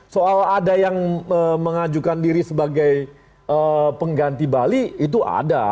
soal ada yang mengajukan diri sebagai pengganti bali itu ada